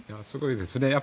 すごいですね。